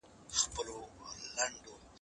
ده چي ول بالا به دوی رانسي باره هغوی راغلل